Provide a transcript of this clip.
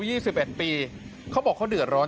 สิบเอ็ดปีเขาบอกเขาเดือดร้อน